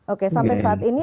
oke sampai saat ini